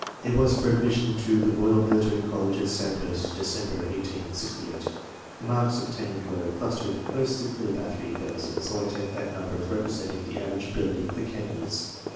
It was for admission into the Royal Military College at Sandhurst, December 1868. The marks obtained were clustered most thickly about 3,000, so I take that number as representing the average ability of the candidates.